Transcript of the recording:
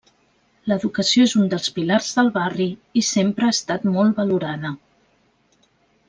L'educació és un dels pilars del barri i sempre ha estat molt valorada.